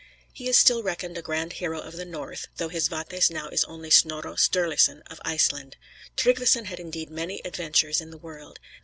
He is still reckoned a grand hero of the North, though his vates now is only Snorro Sturrleson of Iceland. Tryggveson had indeed many adventures in the world.